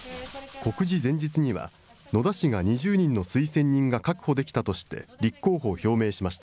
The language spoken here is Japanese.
告示前日には、野田氏が２０人の推薦人が確保できたとして、立候補を表明しました。